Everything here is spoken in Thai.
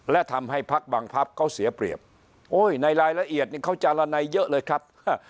และทำให้พักบางพักเขาเสียเปรียบโอ้ยในรายละเอียดเนี่ยเขาจารณัยเยอะเลยครับ